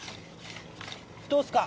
どうっすか？